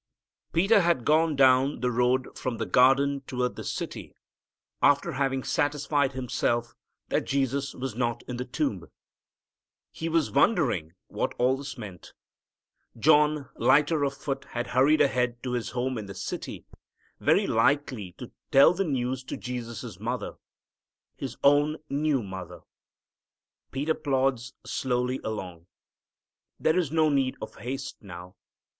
Peter has gone down the road from the garden toward the city after having satisfied Himself that Jesus was not in the tomb. He was wondering what all this meant. John, lighter of foot, had hurried ahead to his home in the city, very likely to tell the news to Jesus' mother, his own new mother. Peter plods slowly along. There is no need of haste now.